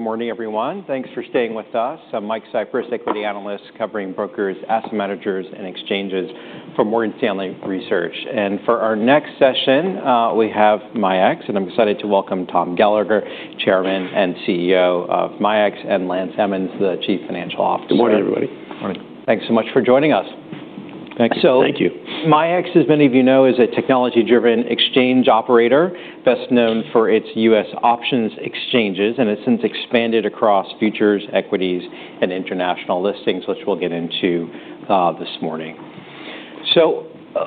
Good morning, everyone. Thanks for staying with us. I'm Mike Cyprys, Equity Analyst covering brokers, asset managers, and exchanges for Morgan Stanley Research. For our next session, we have MIAX, and I'm excited to welcome Tom Gallagher, Chairman and CEO of MIAX, and Lance Emmons, the Chief Financial Officer. Good morning, everybody. Morning. Thanks so much for joining us. Thanks. Thank you. MIAX, as many of you know, is a technology-driven exchange operator best known for its U.S. options exchanges. It's since expanded across futures, equities, and international listings, which we'll get into this morning.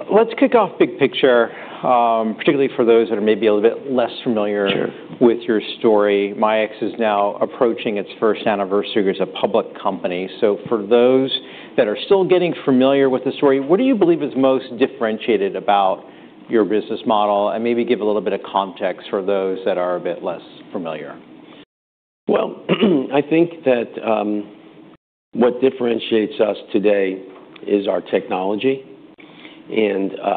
Let's kick off big picture, particularly for those that are maybe a little bit less familiar. Sure. With your story. MIAX is now approaching its first anniversary as a public company. For those that are still getting familiar with the story, what do you believe is most differentiated about your business model? Maybe give a little bit of context for those that are a bit less familiar. I think that what differentiates us today is our technology.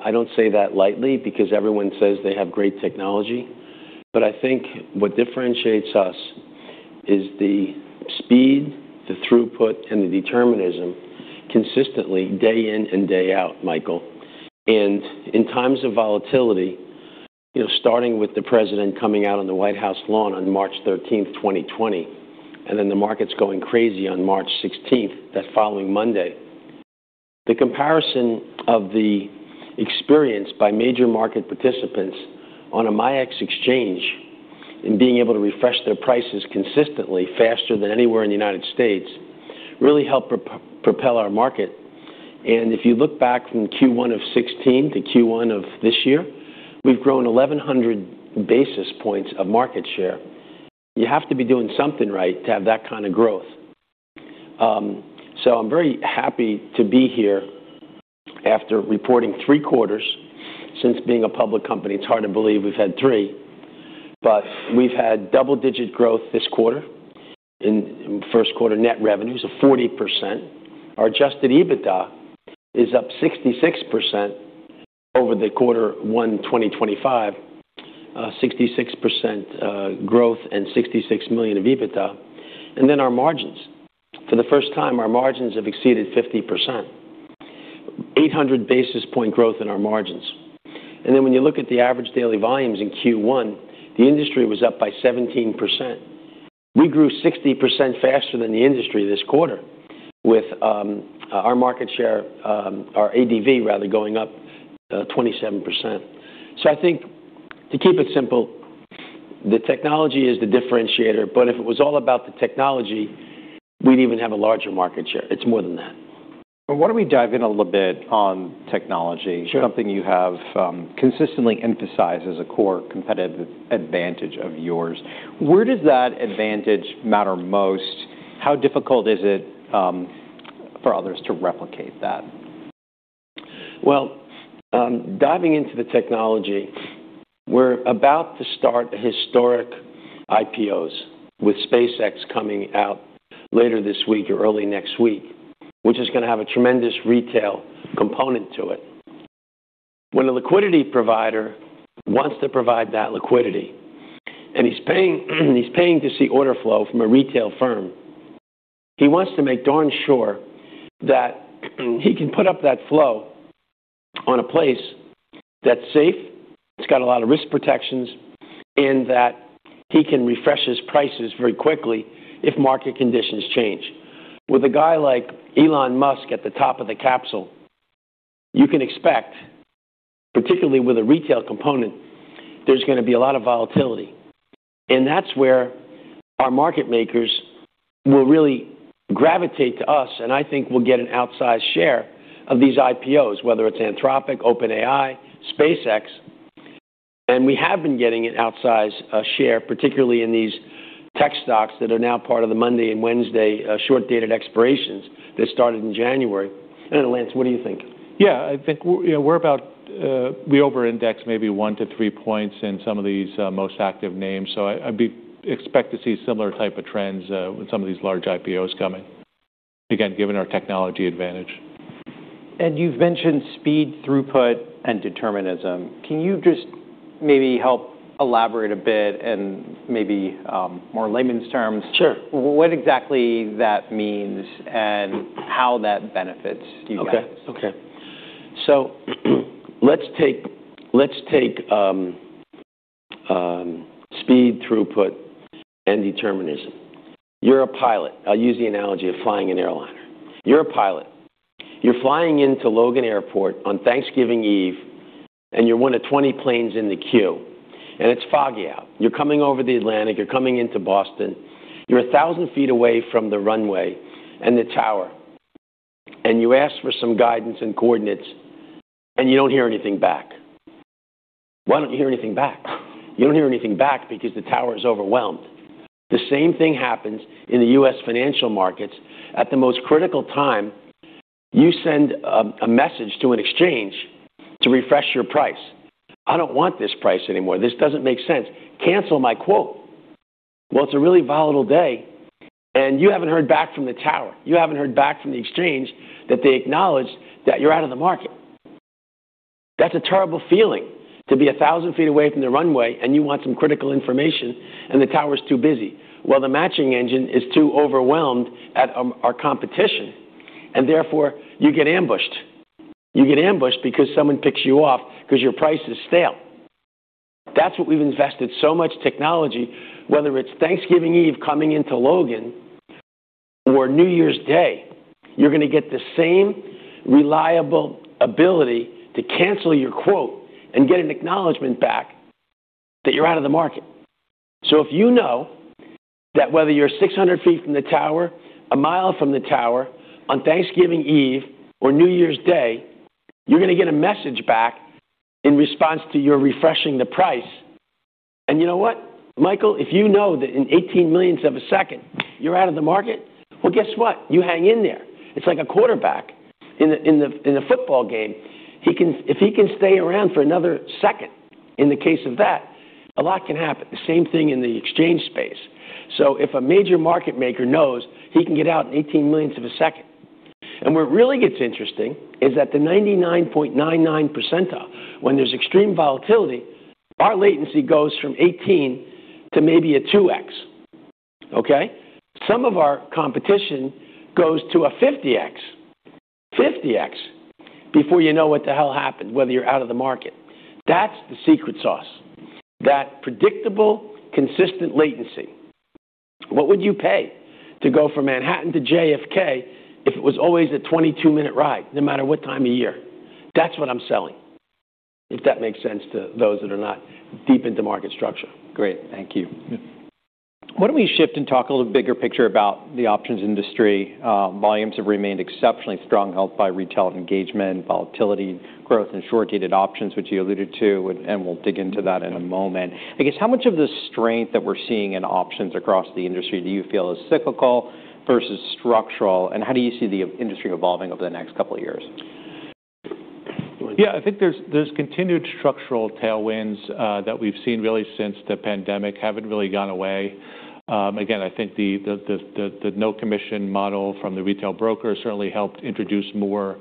I don't say that lightly, because everyone says they have great technology. I think what differentiates us is the speed, the throughput, and the determinism consistently, day in and day out, Michael. In times of volatility, starting with the president coming out on the White House lawn on March 13th, 2020, then the markets going crazy on March 16th, that following Monday, the comparison of the experience by major market participants on a MIAX exchange and being able to refresh their prices consistently faster than anywhere in the United States really helped propel our market. If you look back from Q1 of 2016 to Q1 of this year, we've grown 1,100 basis points of market share. You have to be doing something right to have that kind of growth. I'm very happy to be here after reporting three quarters since being a public company. It's hard to believe we've had three, but we've had double-digit growth this quarter in first quarter net revenues of 40%. Our Adjusted EBITDA is up 66% over the quarter one, 2025, 66% growth and $66 million of EBITDA. Our margins. For the first time, our margins have exceeded 50%, 800 basis point growth in our margins. When you look at the average daily volumes in Q1, the industry was up by 17%. We grew 60% faster than the industry this quarter with our market share, our ADV rather, going up 27%. I think to keep it simple, the technology is the differentiator, but if it was all about the technology, we'd even have a larger market share. It's more than that. Why don't we dive in a little bit on technology. Sure. Something you have consistently emphasized as a core competitive advantage of yours. Where does that advantage matter most? How difficult is it for others to replicate that? Well, diving into the technology, we're about to start historic IPOs with SpaceX coming out later this week or early next week, which is going to have a tremendous retail component to it. When a liquidity provider wants to provide that liquidity and he's paying to see order flow from a retail firm, he wants to make darn sure that he can put up that flow on a place that's safe, it's got a lot of risk protections, and that he can refresh his prices very quickly if market conditions change. With a guy like Elon Musk at the top of the capsule, you can expect, particularly with a retail component, there's going to be a lot of volatility. That's where our market makers will really gravitate to us and I think we'll get an outsized share of these IPOs, whether it's Anthropic, OpenAI, SpaceX. We have been getting an outsized share, particularly in these tech stocks that are now part of the Monday and Wednesday short-dated expirations that started in January. Lance, what do you think? I think we over-index maybe one to three points in some of these most active names. I expect to see similar type of trends with some of these large IPOs coming, again, given our technology advantage. You've mentioned speed, throughput, and determinism. Can you just maybe help elaborate a bit and maybe more layman's terms. Sure. What exactly that means and how that benefits you guys? Okay. Let's take speed, throughput, and determinism. You're a pilot. I'll use the analogy of flying an airliner. You're a pilot. You're flying into Logan Airport on Thanksgiving Eve, and you're one of 20 planes in the queue. It's foggy out. You're coming over the Atlantic, you're coming into Boston. You're 1,000 ft away from the runway and the tower. You ask for some guidance and coordinates, and you don't hear anything back. Why don't you hear anything back? You don't hear anything back because the tower is overwhelmed. The same thing happens in the U.S. financial markets. At the most critical time, you send a message to an exchange to refresh your price. "I don't want this price anymore. This doesn't make sense. Cancel my quote." Well, it's a really volatile day and you haven't heard back from the tower. You haven't heard back from the exchange that they acknowledge that you're out of the market. That's a terrible feeling to be 1,000 ft away from the runway and you want some critical information and the tower's too busy, while the matching engine is too overwhelmed at our competition, therefore you get ambushed. You get ambushed because someone picks you off because your price is stale. That's what we've invested so much technology, whether it's Thanksgiving Eve coming into Logan or New Year's Day, you're going to get the same reliable ability to cancel your quote and get an acknowledgment back that you're out of the market. If you know that whether you're 600 ft from the tower, a mile from the tower on Thanksgiving Eve or New Year's Day, you're going to get a message back in response to your refreshing the price. You know what? Michael, if you know that in 18 millionths of a second, you're out of the market, well, guess what? You hang in there. It's like a quarterback in a football game. If he can stay around for another second, in the case of that, a lot can happen. The same thing in the exchange space. If a major market maker knows he can get out in 18 millionths of a second. Where it really gets interesting is that the 99.99 percentile, when there's extreme volatility, our latency goes from 18 to maybe a 2x. Okay? Some of our competition goes to a 50x. 50x before you know what the hell happened, whether you're out of the market. That's the secret sauce. That predictable, consistent latency. What would you pay to go from Manhattan to JFK if it was always a 22-minute ride, no matter what time of year? That's what I'm selling. If that makes sense to those that are not deep into market structure. Great. Thank you. Why don't we shift and talk a little bigger picture about the options industry. Volumes have remained exceptionally strong, helped by retail engagement, volatility growth, and short-dated options, which you alluded to, and we'll dig into that in a moment. I guess how much of the strength that we're seeing in options across the industry do you feel is cyclical versus structural, and how do you see the industry evolving over the next couple of years? Go ahead. Yeah, I think there's continued structural tailwinds that we've seen really since the pandemic, haven't really gone away. I think the no commission model from the retail broker certainly helped introduce more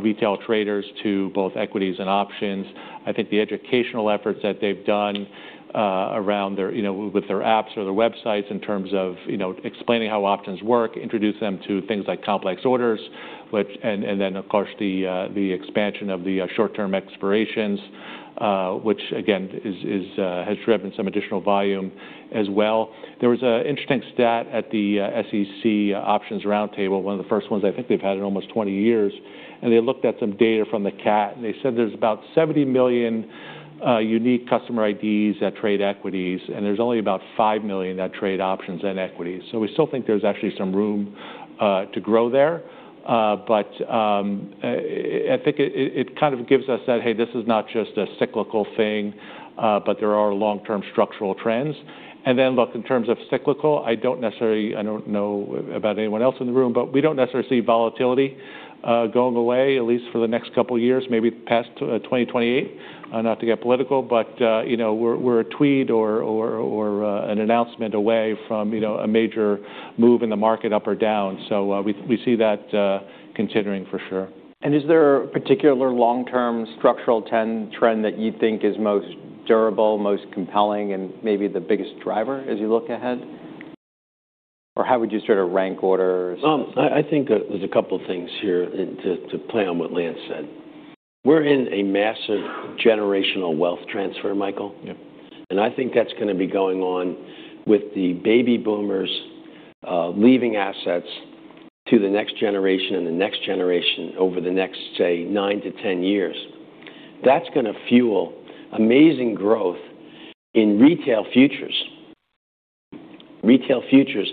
retail traders to both equities and options. I think the educational efforts that they've done with their apps or their websites in terms of explaining how options work, introduce them to things like complex orders, then of course the expansion of the short-term expirations, which again, has driven some additional volume as well. There was an interesting stat at the SEC Options Market Structure Roundtable, one of the first ones I think they've had in almost 20 years, and they looked at some data from the CAT and they said there's about 70 million unique customer IDs that trade equities, and there's only about 5 million that trade options and equities. We still think there's actually some room to grow there. I think it kind of gives us that, hey, this is not just a cyclical thing, but there are long-term structural trends. Look, in terms of cyclical, I don't know about anyone else in the room, but we don't necessarily see volatility going away, at least for the next couple of years, maybe past 2028. Not to get political, but we're a tweet or an announcement away from a major move in the market up or down. We see that continuing for sure. Is there a particular long-term structural trend that you think is most durable, most compelling, and maybe the biggest driver as you look ahead? Or how would you sort of rank orders? I think that there's a couple of things here to play on what Lance said. We're in a massive generational wealth transfer, Michael. Yep. I think that's going to be going on with the baby boomers leaving assets to the next generation and the next generation over the next, say, nine to 10 years. That's going to fuel amazing growth in retail futures. Retail futures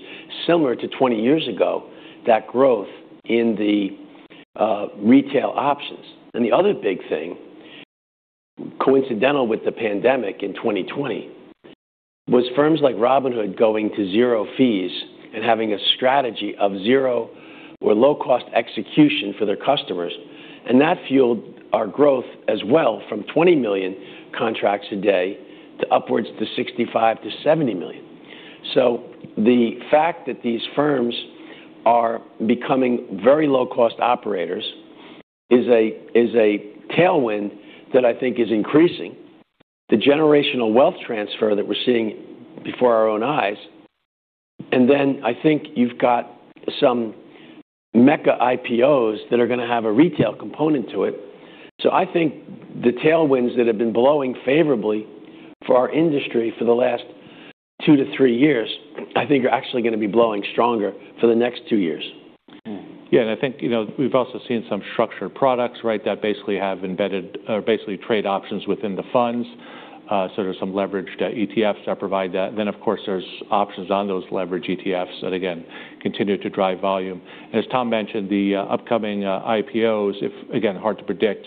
similar to 20 years ago, that growth in the retail options. The other big thing, coincidental with the pandemic in 2020, was firms like Robinhood going to zero fees and having a strategy of zero or low-cost execution for their customers. That fueled our growth as well from 20 million contracts a day to upwards to 65 million to 70 million. The fact that these firms are becoming very low-cost operators is a tailwind that I think is increasing. The generational wealth transfer that we're seeing before our own eyes, I think you've got some mega IPOs that are going to have a retail component to it. I think the tailwinds that have been blowing favorably for our industry for the last two to three years, I think are actually going to be blowing stronger for the next two years. Yeah, I think we've also seen some structured products, right? That basically have embedded or basically trade options within the funds. There's some leveraged ETFs that provide that. Of course, there's options on those leveraged ETFs that again, continue to drive volume. As Tom mentioned, the upcoming IPOs, again, hard to predict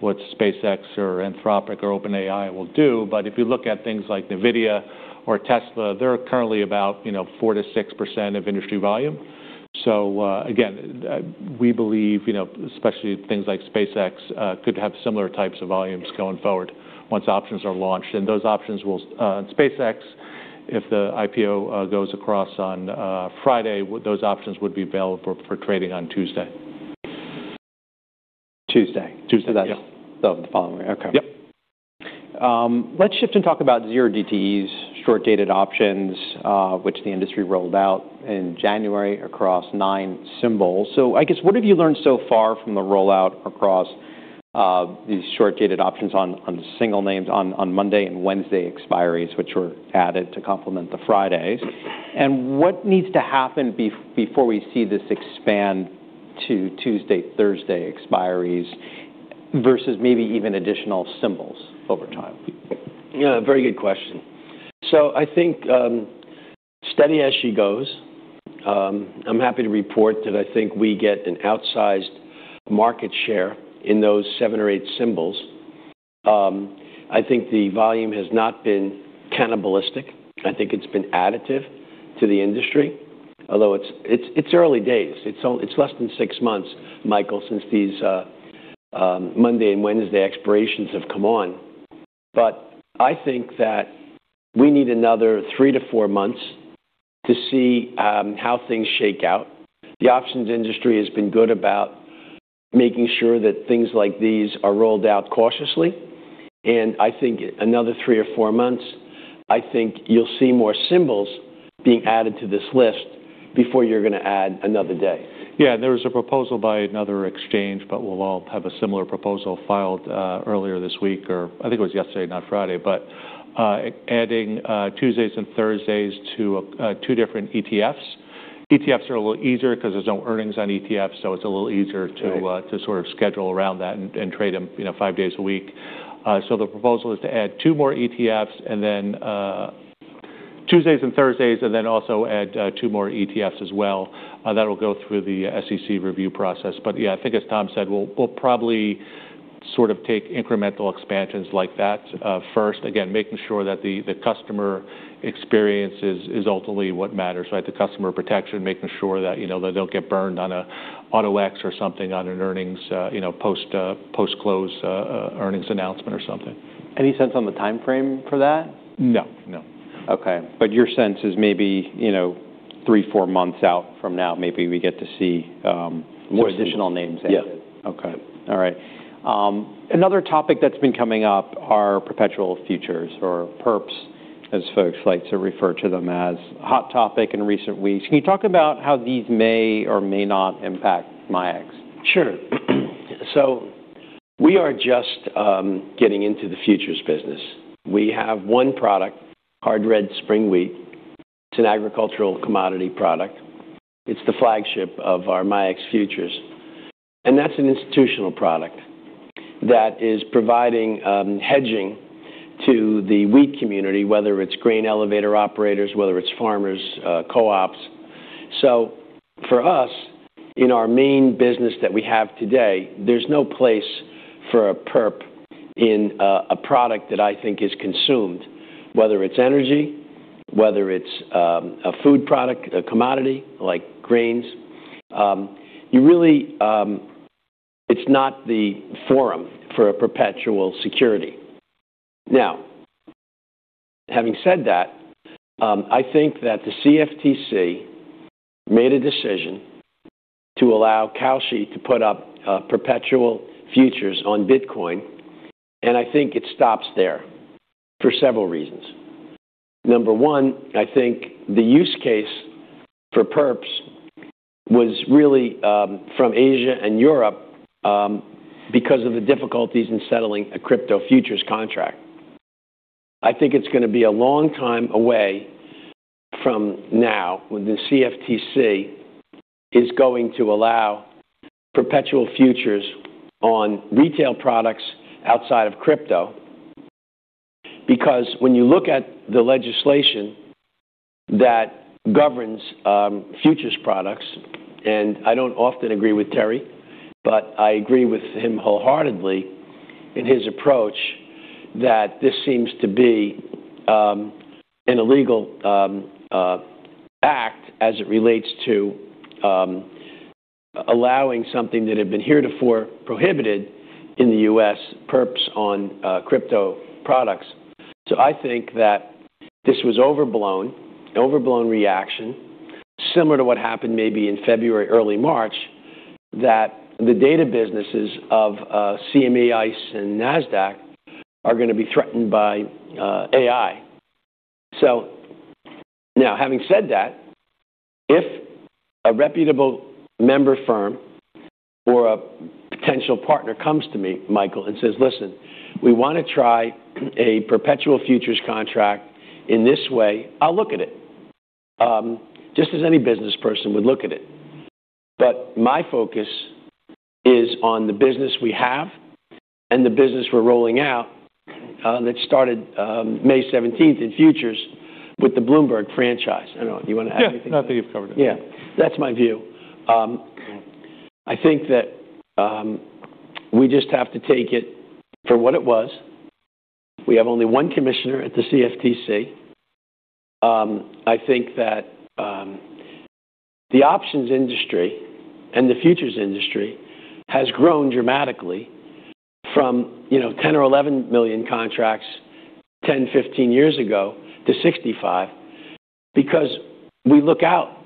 what SpaceX or Anthropic or OpenAI will do, but if you look at things like Nvidia or Tesla, they're currently about 4%-6% of industry volume. Again, we believe, especially things like SpaceX, could have similar types of volumes going forward once options are launched. SpaceX. If the IPO goes across on Friday, those options would be available for trading on Tuesday. Tuesday. Tuesday. Yeah. The following week. Okay. Yep. Let's shift and talk about zero DTEs, short-dated options, which the industry rolled out in January across nine symbols. I guess, what have you learned so far from the rollout across these short-dated options on single names on Monday and Wednesday expiries, which were added to complement the Fridays? What needs to happen before we see this expand to Tuesday, Thursday expiries versus maybe even additional symbols over time? Very good question. I think steady as she goes. I am happy to report that I think we get an outsized market share in those seven or eight symbols. I think the volume has not been cannibalistic. I think it has been additive to the industry. Although, it is early days. It is less than six months, Michael, since these Monday and Wednesday expirations have come on. I think that we need another three to four months to see how things shake out. The options industry has been good about making sure that things like these are rolled out cautiously, and I think another three or four months, I think you will see more symbols being added to this list before you are going to add another day. There was a proposal by another exchange, we will all have a similar proposal filed earlier this week, or I think it was yesterday, not Friday, adding Tuesdays and Thursdays to two different ETFs. ETFs are a little easier because there is no earnings on ETFs, it is a little easier to- Right. to sort of schedule around that and trade them five days a week. The proposal is to add two more ETFs, and then Tuesdays and Thursdays, and then also add two more ETFs as well. That will go through the SEC review process. I think as Tom said, we will probably sort of take incremental expansions like that first. Again, making sure that the customer experience is ultimately what matters, right? The customer protection, making sure that they do not get burned on an auto-exercise or something on an earnings post-close earnings announcement or something. Any sense on the timeframe for that? No. No. Okay. Your sense is maybe three, four months out from now, maybe we get to see- More names. More additional names added. Yeah. Okay. All right. Another topic that's been coming up are perpetual futures or perps, as folks like to refer to them as. Hot topic in recent weeks. Can you talk about how these may or may not impact MIAX? Sure. We are just getting into the futures business. We have one product, hard red spring wheat. It's an agricultural commodity product. It's the flagship of our MIAX Futures, that's an institutional product that is providing hedging to the wheat community, whether it's grain elevator operators, whether it's farmers co-ops. For us, in our main business that we have today, there's no place for a perp in a product that I think is consumed, whether it's energy, whether it's a food product, a commodity like grains. It's not the forum for a perpetual security. Having said that, I think that the CFTC made a decision to allow Kalshi to put up perpetual futures on Bitcoin. I think it stops there for several reasons. Number one, I think the use case for perps was really from Asia and Europe because of the difficulties in settling a crypto futures contract. I think it's going to be a long time away from now when the CFTC is going to allow perpetual futures on retail products outside of crypto. Because when you look at the legislation that governs futures products, and I don't often agree with Terry, but I agree with him wholeheartedly in his approach that this seems to be an illegal act as it relates to allowing something that had been heretofore prohibited in the U.S., perps on crypto products. I think that this was overblown reaction, similar to what happened maybe in February, early March, that the data businesses of CME, ICE, and Nasdaq are going to be threatened by AI. Having said that, if a reputable member firm or a potential partner comes to me, Michael, and says, "Listen, we want to try a perpetual futures contract in this way," I'll look at it, just as any business person would look at it. My focus is on the business we have and the business we're rolling out that started May 17th in futures with the Bloomberg franchise. I don't know. Do you want to add anything? Yeah. I think you've covered it. Yeah. That's my view. Yeah. I think that we just have to take it for what it was. We have only one commissioner at the CFTC. The options industry and the futures industry has grown dramatically from 10 million or 11 million contracts 10, 15 years ago to 65 million because we look out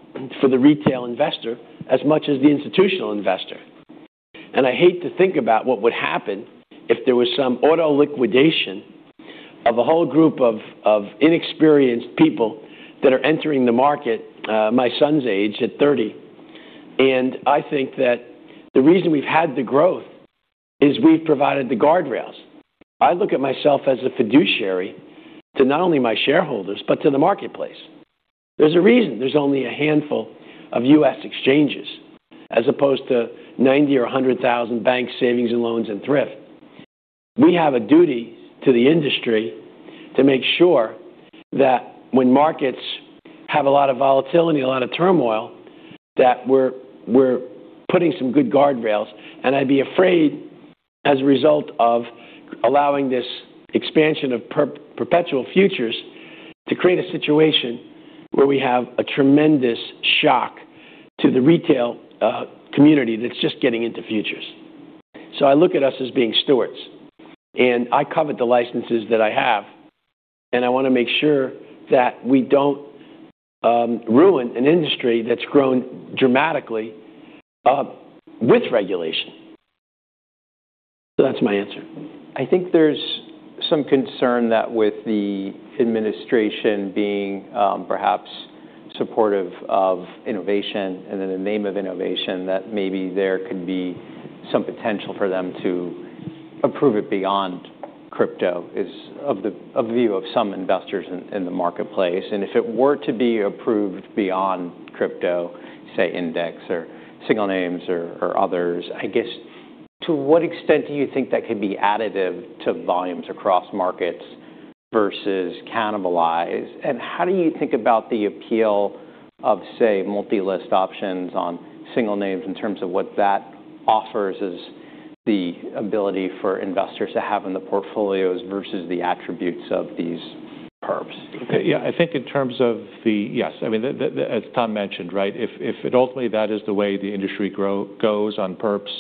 for the retail investor as much as the institutional investor. I hate to think about what would happen if there was some auto liquidation of a whole group of inexperienced people that are entering the market, my son's age, at 30. I think that the reason we've had the growth is we've provided the guardrails. I look at myself as a fiduciary to not only my shareholders but to the marketplace. There's a reason there's only a handful of U.S. exchanges as opposed to 90,000 or 100,000 bank savings and loans and thrift. We have a duty to the industry to make sure that when markets have a lot of volatility, a lot of turmoil, that we're putting some good guardrails. I'd be afraid as a result of allowing this expansion of perpetual futures to create a situation where we have a tremendous shock to the retail community that's just getting into futures. I look at us as being stewards. I covet the licenses that I have. I want to make sure that we don't ruin an industry that's grown dramatically with regulation. That's my answer. I think there's some concern that with the administration being perhaps supportive of innovation and in the name of innovation, that maybe there could be some potential for them to approve it beyond crypto is of view of some investors in the marketplace. If it were to be approved beyond crypto, say, index or single names or others, I guess, to what extent do you think that could be additive to volumes across markets versus cannibalized? How do you think about the appeal of, say, multi-list options on single names in terms of what that offers as the ability for investors to have in the portfolios versus the attributes of these perps? Yeah. I think in terms of the. As Tom mentioned, right? If ultimately that is the way the industry goes on perps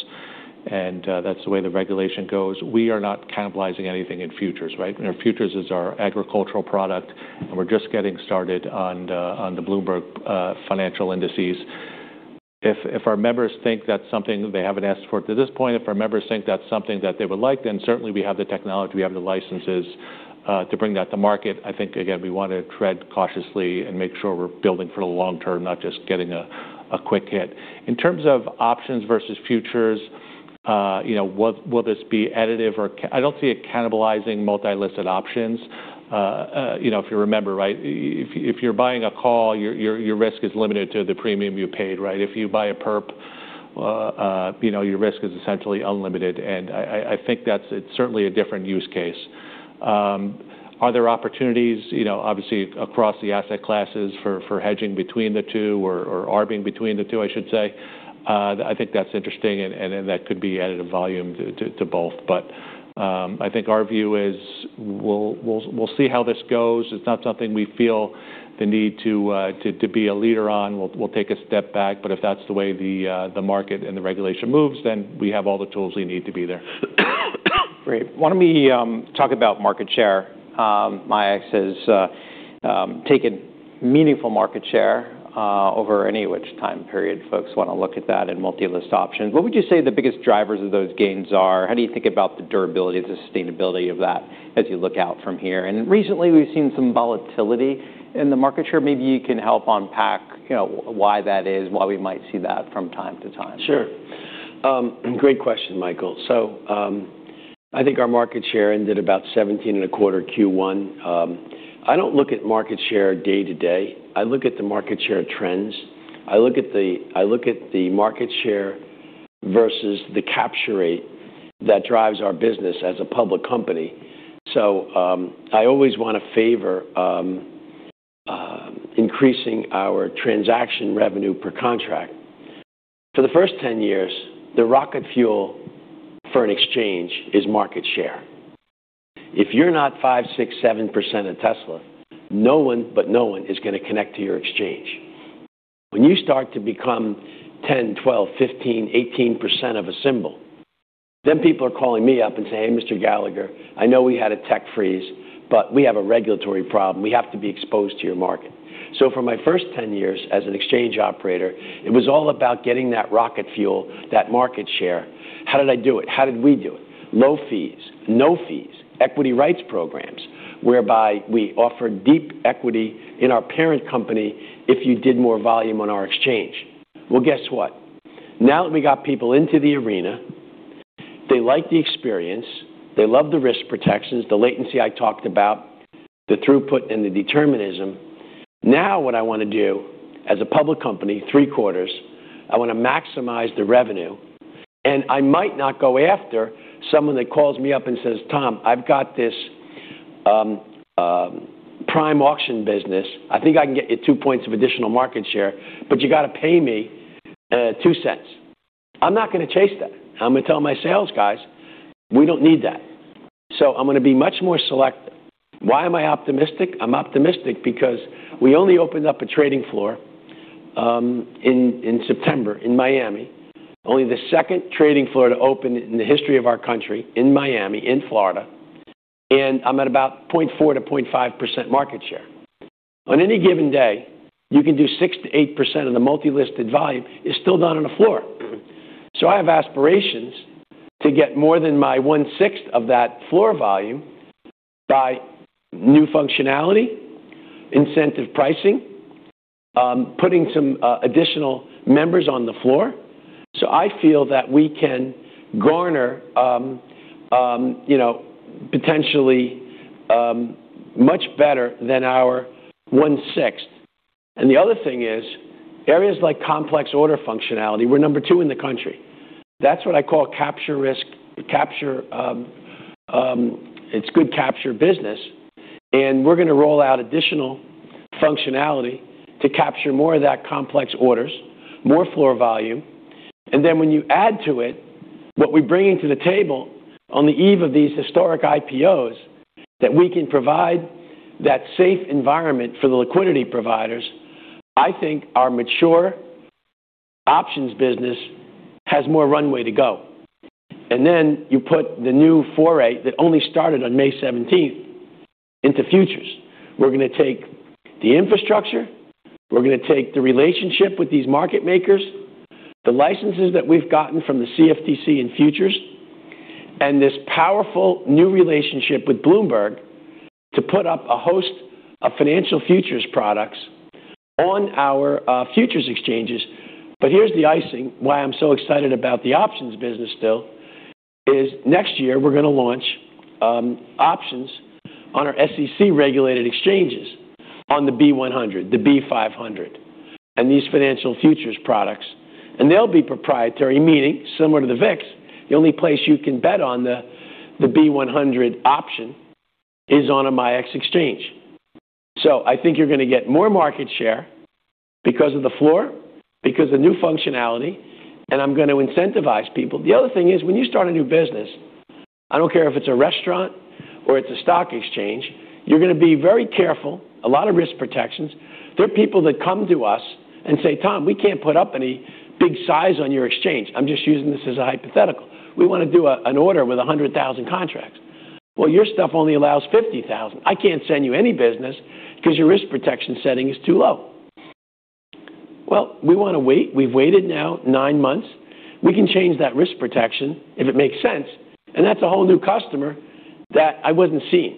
and that's the way the regulation goes, we are not cannibalizing anything in futures, right? Futures is our agricultural product, and we're just getting started on the Bloomberg financial indices. If our members think that's something they haven't asked for to this point, if our members think that's something that they would like, certainly we have the technology, we have the licenses to bring that to market. I think, again, we want to tread cautiously and make sure we're building for the long term, not just getting a quick hit. In terms of options versus futures, will this be additive or I don't see it cannibalizing multi-listed options. If you remember, right, if you're buying a call, your risk is limited to the premium you paid, right? If you buy a perp, your risk is essentially unlimited. I think that's certainly a different use case. Are there opportunities obviously across the asset classes for hedging between the two or arbing between the two, I should say? I think that's interesting. That could be added volume to both. I think our view is, we'll see how this goes. It's not something we feel the need to be a leader on. We'll take a step back. If that's the way the market and the regulation moves, we have all the tools we need to be there. Great. Why don't we talk about market share? MIAX has taken meaningful market share over any which time period folks want to look at that in multi-list options. What would you say the biggest drivers of those gains are? How do you think about the durability, the sustainability of that as you look out from here? Recently, we've seen some volatility in the market share. Maybe you can help unpack why that is, why we might see that from time to time. Sure. Great question, Michael. I think our market share ended about 17.25% Q1. I don't look at market share day to day. I look at the market share trends. I look at the market share versus the capture rate that drives our business as a public company. I always want to favor increasing our transaction revenue per contract. For the first 10 years, the rocket fuel for an exchange is market share. If you're not 5%, 6%, 7% in Tesla, no one, but no one is going to connect to your exchange. When you start to become 10%, 12%, 15%, 18% of a symbol, people are calling me up and saying, "Hey, Mr. Gallagher, I know we had a tech freeze, we have a regulatory problem. We have to be exposed to your market." For my first 10 years as an exchange operator, it was all about getting that rocket fuel, that market share. How did I do it? How did we do it? Low fees, no fees, Equity Rights Programs whereby we offered deep equity in our parent company if you did more volume on our exchange. Well, guess what? Now that we got people into the arena, they like the experience, they love the risk protections, the latency I talked about, the throughput, and the determinism. Now, what I want to do as a public company, three quarters, I want to maximize the revenue, and I might not go after someone that calls me up and says, "Tom, I've got this prime auction business. I think I can get you two points of additional market share, but you got to pay me $0.02."I'm not going to chase that. I'm going to tell my sales guys, we don't need that. I'm going to be much more selective. Why am I optimistic? I'm optimistic because we only opened up a trading floor in September in Miami, only the second trading floor to open in the history of our country, in Miami, in Florida, and I'm at about 0.4%-0.5% market share. On any given day, you can do 6%-8% of the multi-listed volume is still done on the floor. I have aspirations to get more than my 1/6 of that floor volume by new functionality, incentive pricing, putting some additional members on the floor. I feel that we can garner potentially much better than our 1/6. The other thing is, areas like complex order functionality, we're number two in the country. That's what I call capture risk. It's good capture business, and we're going to roll out additional functionality to capture more of that complex orders, more floor volume. When you add to it, what we're bringing to the table on the eve of these historic IPOs, that we can provide that safe environment for the liquidity providers. I think our mature options business has more runway to go. Then you put the new foray that only started on May 17th into futures. We're going to take the infrastructure, we're going to take the relationship with these market makers, the licenses that we've gotten from the CFTC in futures, and this powerful new relationship with Bloomberg to put up a host of financial futures products on our futures exchanges. Here's the icing, why I'm so excited about the options business still, is next year we're going to launch options on our SEC-regulated exchanges on the B100, the B500, and these financial futures products. They'll be proprietary, meaning similar to the VIX, the only place you can bet on the B100 option is on a MIAX exchange. I think you're going to get more market share because of the floor, because of new functionality, and I'm going to incentivize people. The other thing is when you start a new business, I don't care if it's a restaurant or it's a stock exchange, you're going to be very careful, a lot of risk protections. There are people that come to us and say, "Tom, we can't put up any big size on your exchange." I'm just using this as a hypothetical. We want to do an order with 100,000 contracts. Your stuff only allows 50,000. I can't send you any business because your risk protection setting is too low. We want to wait. We've waited now nine months. We can change that risk protection if it makes sense, and that's a whole new customer that I wasn't seeing.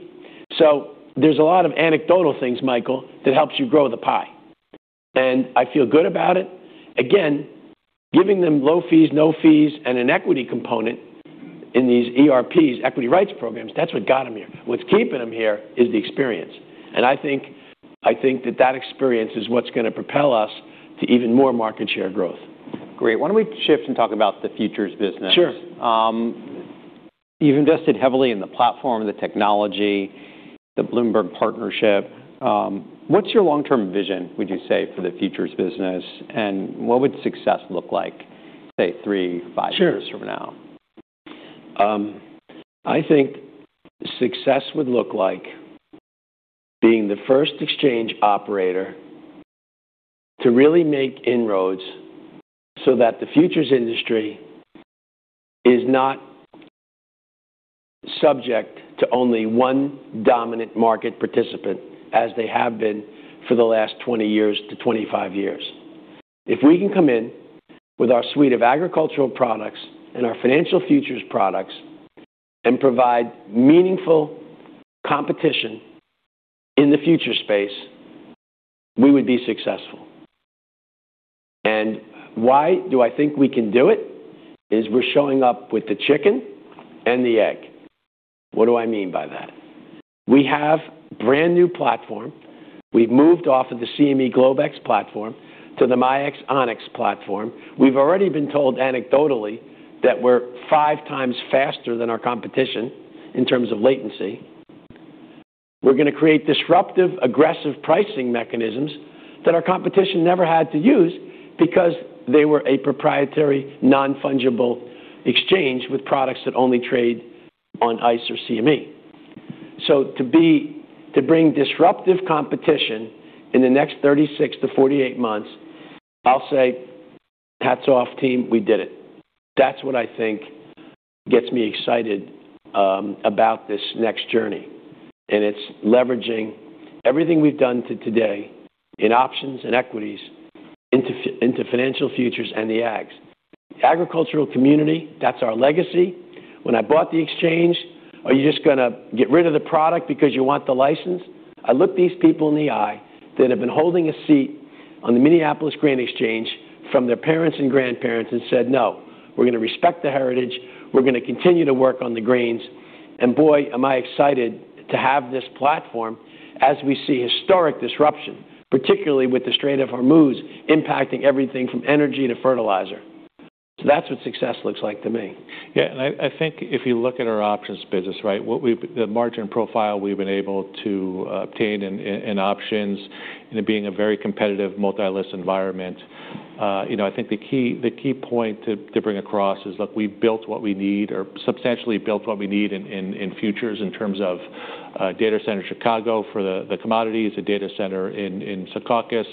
There's a lot of anecdotal things, Michael, that helps you grow the pie, and I feel good about it. Again, giving them low fees, no fees, and an equity component in these ERPs, Equity Rights Programs, that's what got them here. What's keeping them here is the experience, and I think that experience is what's going to propel us to even more market share growth. Great. Why don't we shift and talk about the futures business? Sure. You've invested heavily in the platform, the technology, the Bloomberg partnership. What's your long-term vision, would you say, for the futures business, and what would success look like, say, three, five years from now? Sure. I think success would look like being the first exchange operator to really make inroads so that the futures industry is not subject to only one dominant market participant as they have been for the last 20 years to 25 years. If we can come in with our suite of agricultural products and our financial futures products and provide meaningful competition in the future space, we would be successful. Why do I think we can do it? Is we're showing up with the chicken and the egg. What do I mean by that? We have brand new platform. We've moved off of the CME Globex platform to the MIAX Onyx platform. We've already been told anecdotally that we're five times faster than our competition in terms of latency. We're going to create disruptive, aggressive pricing mechanisms that our competition never had to use because they were a proprietary, non-fungible exchange with products that only trade on ICE or CME. To bring disruptive competition in the next 36-48 months, I'll say, "Hats off, team. We did it." That's what I think gets me excited about this next journey, and it's leveraging everything we've done to today in options and equities into financial futures and the ags. The agricultural community, that's our legacy. When I bought the exchange, are you just going to get rid of the product because you want the license? I looked these people in the eye that have been holding a seat on the Minneapolis Grain Exchange from their parents and grandparents and said, "No, we're going to respect the heritage. We're going to continue to work on the grains." Boy, am I excited to have this platform as we see historic disruption, particularly with the Strait of Hormuz impacting everything from energy to fertilizer. That's what success looks like to me. Yeah, I think if you look at our options business, right, the margin profile we've been able to obtain in options and it being a very competitive multi-list environment I think the key point to bring across is, look, we've built what we need or substantially built what we need in futures in terms of data center Chicago for the commodities, the data center in Secaucus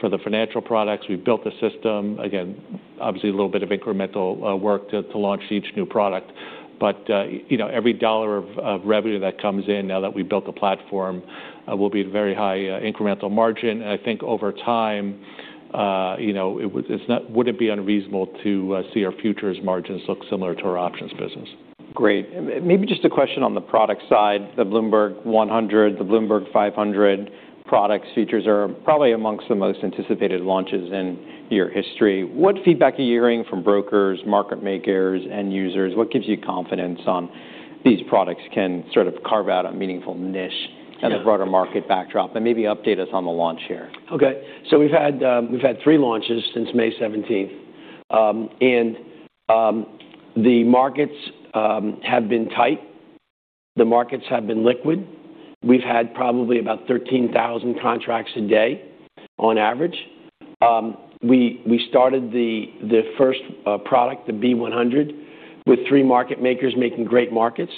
for the financial products. We've built the system. Again, obviously, a little bit of incremental work to launch each new product. Every dollar of revenue that comes in now that we've built the platform will be very high incremental margin. I think over time, it would be unreasonable to see our futures margins look similar to our options business. Great. Maybe just a question on the product side, the Bloomberg 100, the Bloomberg 500 products features are probably amongst the most anticipated launches in your history. What feedback are you hearing from brokers, market makers, end users? What gives you confidence on these products can sort of carve out a meaningful niche- Yeah. In the broader market backdrop, maybe update us on the launch here. Okay. We've had three launches since May 17th, the markets have been tight. The markets have been liquid. We've had probably about 13,000 contracts a day on average. We started the first product, the B100, with three market makers making great markets.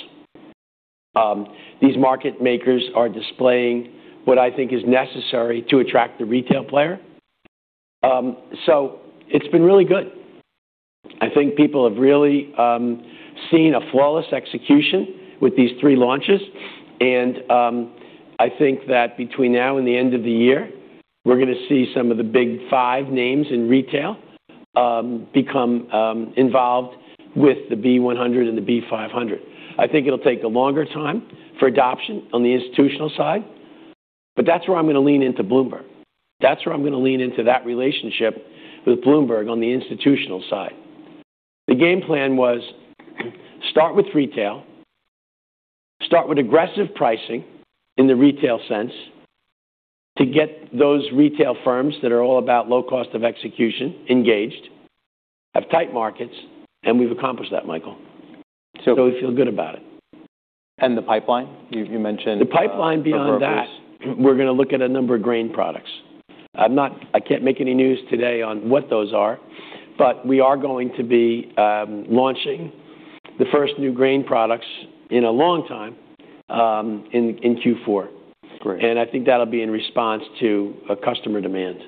These market makers are displaying what I think is necessary to attract the retail player. It's been really good. I think people have really seen a flawless execution with these three launches. I think that between now and the end of the year, we're going to see some of the big five names in retail become involved with the B100 and the B500. I think it'll take a longer time for adoption on the institutional side, but that's where I'm going to lean into Bloomberg. That's where I'm going to lean into that relationship with Bloomberg on the institutional side. The game plan was start with retail, start with aggressive pricing in the retail sense to get those retail firms that are all about low cost of execution engaged, have tight markets, and we've accomplished that, Michael. So- We feel good about it. The pipeline, you mentioned. The pipeline beyond that. For brokers. We're going to look at a number of grain products. I can't make any news today on what those are, but we are going to be launching the first new grain products in a long time, in Q4. Great. I think that'll be in response to a customer demand.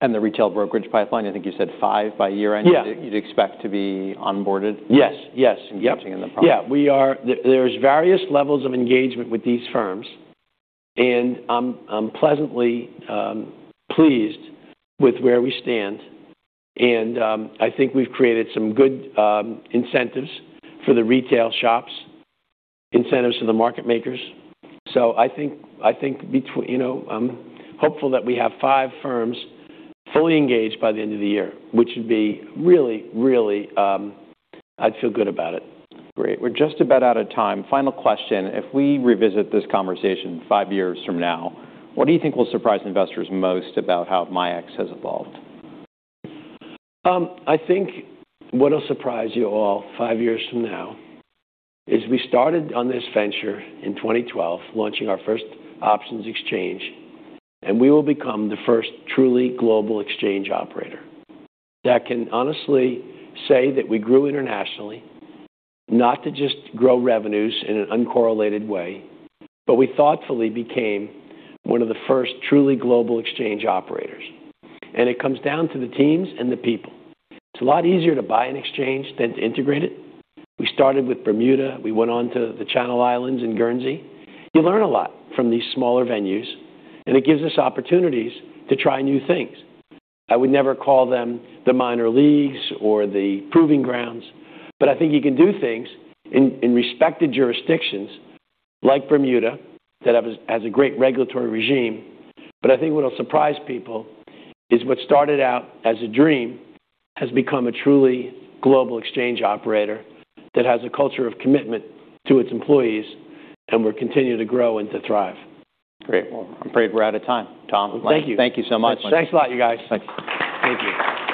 The retail brokerage pipeline, I think you said five by year-end. Yeah. You'd expect to be onboarded? Yes. Engaging in the product. Yeah. There's various levels of engagement with these firms, and I'm pleasantly pleased with where we stand, and I think we've created some good incentives for the retail shops, incentives for the market makers. I'm hopeful that we have five firms fully engaged by the end of the year, which would be really I'd feel good about it. Great. We're just about out of time. Final question, if we revisit this conversation five years from now, what do you think will surprise investors most about how MIAX has evolved? I think what will surprise you all five years from now is we started on this venture in 2012, launching our first options exchange. We will become the first truly global exchange operator that can honestly say that we grew internationally, not to just grow revenues in an uncorrelated way, but we thoughtfully became one of the first truly global exchange operators. It comes down to the teams and the people. It's a lot easier to buy an exchange than to integrate it. We started with Bermuda. We went on to the Channel Islands in Guernsey. You learn a lot from these smaller venues, and it gives us opportunities to try new things. I would never call them the minor leagues or the proving grounds, but I think you can do things in respected jurisdictions like Bermuda that has a great regulatory regime. I think what'll surprise people is what started out as a dream has become a truly global exchange operator that has a culture of commitment to its employees and will continue to grow and to thrive. Great. I'm afraid we're out of time, Tom. Thank you. Thank you so much. Thanks a lot, you guys. Thanks. Thank you.